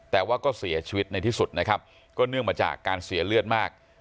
แต่ว่าก็เสียชีวิตในที่สุดนะครับก็เนื่องมาจากการเสียเลือดมาก